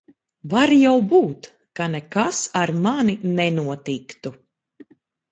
Var jau būt, ka nekas ar mani nenotiku.